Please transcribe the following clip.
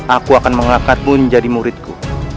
aku akan mengangkatmu menjadi muridku